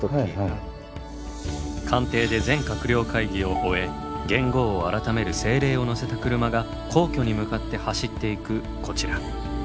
官邸で全閣僚会議を終え元号を改める政令を載せた車が皇居に向かって走っていくこちら。